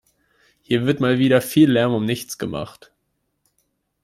Hier wird mal wieder viel Lärm um nichts gemacht.